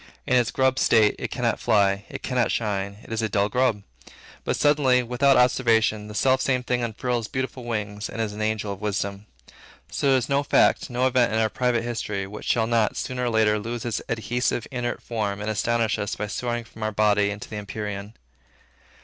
In its grub state, it cannot fly, it cannot shine, it is a dull grub. But suddenly, without observation, the selfsame thing unfurls beautiful wings, and is an angel of wisdom. So is there no fact, no event, in our private history, which shall not, sooner or later, lose its adhesive, inert form, and astonish us by soaring from our body into the empyrean.